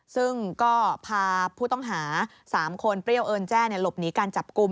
ซึ่งก็พาผู้ต้องหา๓คนเปรี้ยวเอิญแจ้หลบหนีการจับกลุ่ม